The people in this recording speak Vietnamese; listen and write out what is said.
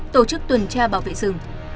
tổ chức tuần tra bảo vệ rừng